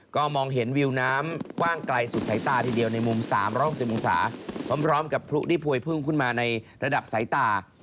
ก็มองเห็นวิวน้ำกว้างไกลสุดสายตาทีเดียวในมุม๓๖๐องศาพร้อมกับพลุที่พวยพุ่งขึ้นมาในระดับสายตา